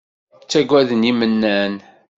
Ttagaden imennan.